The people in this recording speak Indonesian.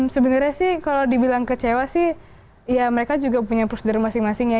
sebenarnya sih kalau dibilang kecewa sih ya mereka juga punya prosedur masing masing ya